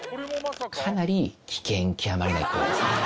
かなり危険極まりない行為ですね。